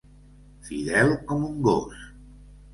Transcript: Fidel com un gos.